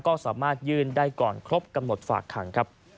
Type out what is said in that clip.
ก็สามารถยืนได้ก่อนครบกับหมดฝากหัง